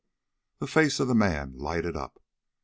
The face of the man lighted up.